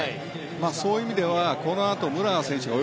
そういう意味ではこのあと武良選手が